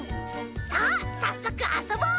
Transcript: さあさっそくあそぼう！